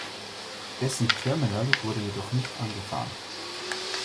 Dessen Terminal wurde jedoch nicht angefahren.